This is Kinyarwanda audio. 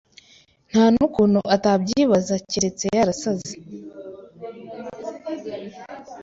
Ntanukuntu atabyibaza keretse yarasaze